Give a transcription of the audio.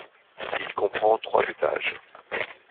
Il comprend trois étages.